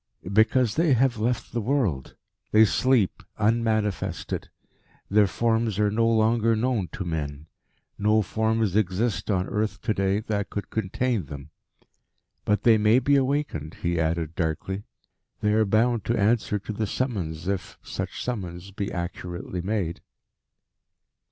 "Because they have left the world. They sleep, unmanifested. Their forms are no longer known to men. No forms exist on earth to day that could contain them. But they may be awakened," he added darkly. "They are bound to answer to the summons, if such summons be accurately made."